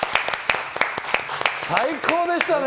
最高でしたね！